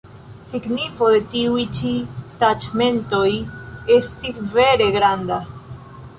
Signifo de tiuj ĉi taĉmentoj estis vere granda.